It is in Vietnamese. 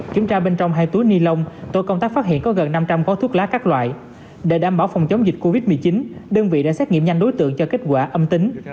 kiểm tra bên trong hai túi ni lông tổ công tác phát hiện có gần năm trăm linh gói thuốc lá các loại để đảm bảo phòng chống dịch covid một mươi chín đơn vị đã xét nghiệm nhanh đối tượng cho kết quả âm tính